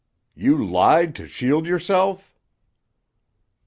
"You lied to shield yourself?"